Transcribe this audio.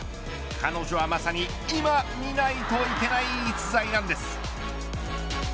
彼女はまさにいまみないといけない逸材なんです。